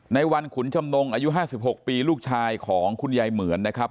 ในวันขุนจำนงอายุ๕๖ปีลูกชายของคุณยายเหมือนนะครับ